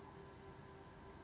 iya betul terima kasih pak snehat